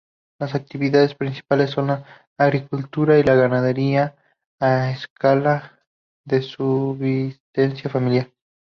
Las actividades principales son la agricultura y la ganadería a escala de subsistencia familiar.